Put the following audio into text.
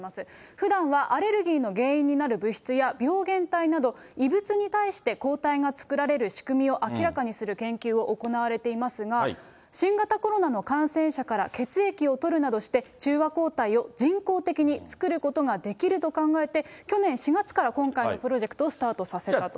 ふだんはアレルギーの原因になる物質や病原体など、異物に対して抗体が作られる仕組みを明らかにする研究を行われていますが、新型コロナの感染者から血液を採るなどして、中和抗体を人工的に作ることができると考えて、去年４月から、今回のプロジェクトをスタートさせたと。